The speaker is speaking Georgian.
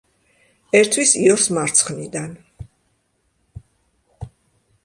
ერთვის იორს მარცხნიდან.